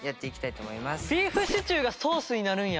ビーフシチューがソースになるんや。